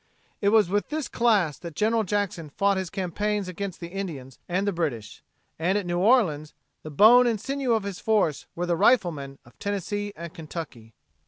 It was with this class that General Jackson fought his campaigns against the Indians and the British, and at New Orleans "the bone and sinew of his force were the riflemen of Tennessee and Kentucky."